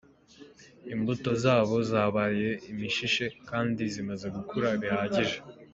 imbuto zabo zabaye imishishe kandi zimaze gukura bihagije.